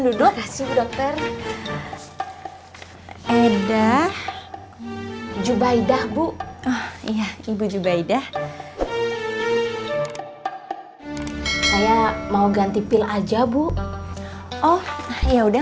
duduk kasih dokter eda jubaidah bu iya ibu jubaidah saya mau ganti pil aja bu oh ya udah